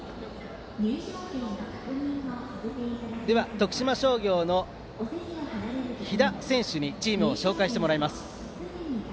徳島商業の飛弾選手にチームを紹介してもらいます。